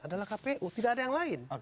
adalah kpu tidak ada yang lain